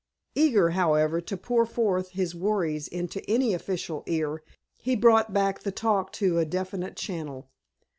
Eager, however, to pour forth his worries into any official ear, he brought back the talk to a definite channel.